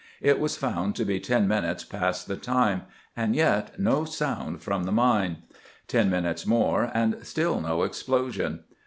It was found to be ten minutes past the time, and yet no sound from the mine. Ten minutes more, and still no explosion.